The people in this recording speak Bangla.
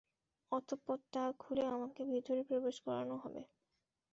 অতঃপর তা খুলে আমাকে ভিতরে প্রবেশ করানো হবে।